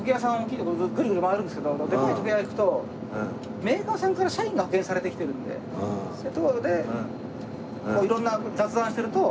ぐるぐる回るんですけどでかい時計屋行くとメーカーさんから社員が派遣されてきてるんでそういうところで色んな雑談してると。